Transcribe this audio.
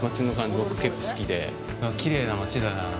僕、結構好きで、きれいな町だなあ。